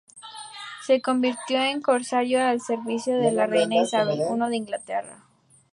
Se convirtió en corsario al servicio de la reina Isabel I de Inglaterra.